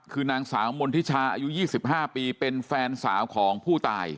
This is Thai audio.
คือนางสาวมณฑิชาอายุ๒๕ปีเป็นแฟนสาวของผู้ตาย